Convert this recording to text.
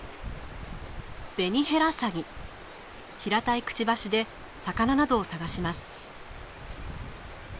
平たいくちばしで魚などを探します。